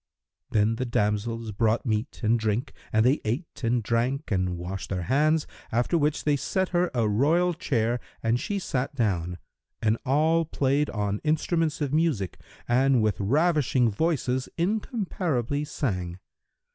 Then the damsels brought meat and drink and they ate and drank and washed their hands, after which they set her a royal chair and she sat down; and all played on instruments of music and with ravishing voices incomparably sang.